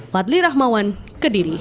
wadli rahmawan kediri